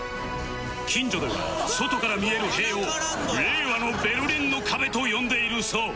近所では外から見える塀を「令和のベルリンの壁」と呼んでいるそう